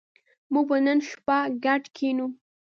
موږ به نن شپه ګډ کېنو